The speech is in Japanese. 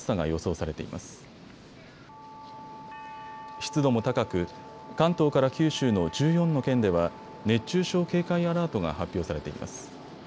湿度も高く関東から九州の１４の県では熱中症警戒アラートが発表されています。